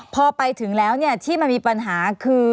พอไปถึงแล้วที่มันมีปัญหาคือ